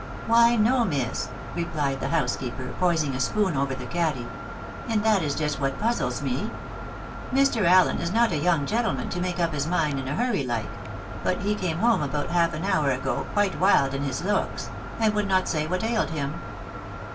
"Why, no, miss," replied the housekeeper, poising a spoon over the caddy, "and that is just what puzzles me. Mr. Allen is not a young gentleman to make up his mind in a hurry like. But he came home about half an hour ago quite wild in his looks, and would not say what ailed him.